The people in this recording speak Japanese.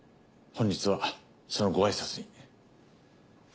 本日はそのご挨拶に。